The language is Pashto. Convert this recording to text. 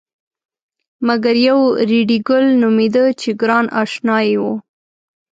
مګر یو ریډي ګل نومېده چې ګران اشنای و.